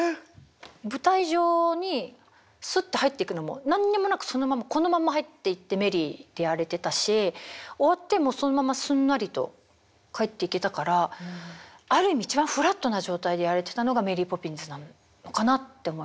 舞台上にすって入っていくのも何にもなくそのままこのまんま入っていってメリーでやれてたし終わってもそのまますんなりと帰っていけたからある意味一番フラットな状態でやれてたのが「メリー・ポピンズ」なのかなって思いますね。